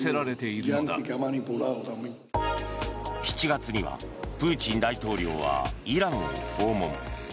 ７月にはプーチン大統領はイランを訪問。